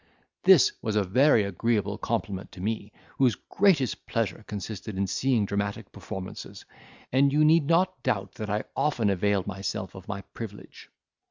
This was a very agreeable compliment to me, whose greatest pleasure consisted in seeing dramatic performances, and you need not doubt that I often availed myself of my privilege.